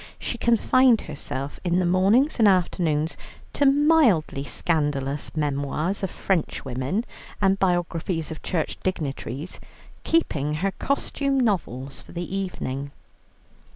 She confined herself in the mornings and afternoon to mildly scandalous memoirs of Frenchwomen and biographies of Church dignitaries, keeping her costume novels for the evening.